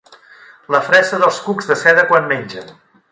La fressa dels cucs de seda quan mengen.